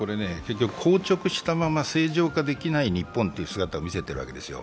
硬直したまま正常化できない日本という姿を見せているわけですよ。